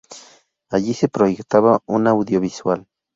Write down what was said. Allí se proyectaba un audiovisual.